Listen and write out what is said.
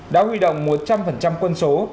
đã huy động một trăm linh quân số